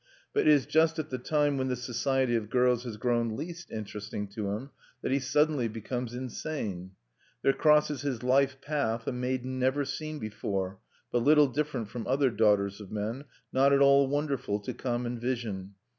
But it is just at the time when the society of girls has grown least interesting to him that he suddenly becomes insane. There crosses his life path a maiden never seen before, but little different from other daughters of men, not at all wonderful to common vision.